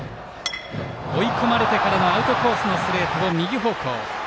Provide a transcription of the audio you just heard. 追い込まれてからのアウトコースのストレートを右方向へ。